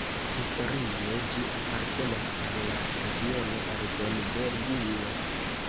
Historie ĝi apartenas al la regiono Oldenburgio.